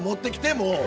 もう！